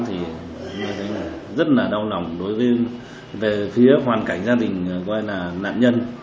sau khi chúng tôi điều tra làm rõ về vụ án thì tôi thấy rất là đau lòng đối với phía hoàn cảnh gia đình nạn nhân